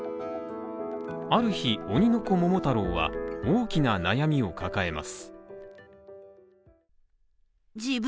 ある日、鬼の子ももたろうは大きな悩みを抱えます。